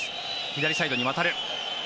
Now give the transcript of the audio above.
左サイドに渡る。